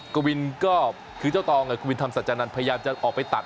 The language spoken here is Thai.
คุณคืนทำรักษาทางนั้นพยายามออกไปตัด